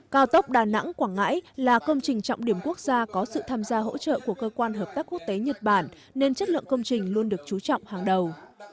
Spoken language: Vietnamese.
cao tốc đà nẵng quảng ngãi là công trình trọng điểm quốc gia có sự tham gia hỗ trợ của cơ quan hợp tác quốc tế nhật bản nên chất lượng công trình luôn được chú trọng hàng đầu